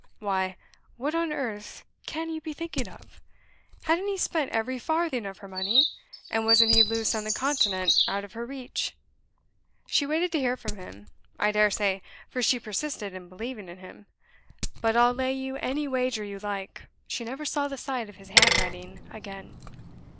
Why, what on earth can you be thinking of? Hadn't he spent every farthing of her money? and wasn't he loose on the Continent out of her reach? She waited to hear from him. I dare say, for she persisted in believing in him. But I'll lay you any wager you like, she never saw the sight of his handwriting again.